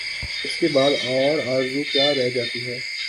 اس کے بعد اور آرزو کیا رہ جاتی ہے؟